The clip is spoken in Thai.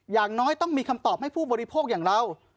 อย่างน้อยต้องมีคำตอบให้ผู้บริโภคอย่างเรา